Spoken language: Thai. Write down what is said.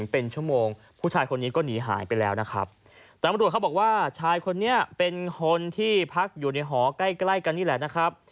เป็นชั่วโมงผู้ชายคนนี้ก็หนีหายไปแล้วนะครับตำรวจเขาบอกว่าชายคนนี้เป็นคนที่พักอยู่ในหอใกล้ใกล้กันนี่แหละนะครับ